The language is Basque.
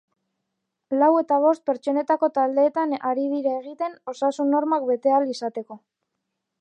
Lau eta bost pertsonetako taldeetan ari dira egiten osasun-normak bete ahal izateko.